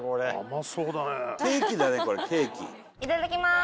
いただきます。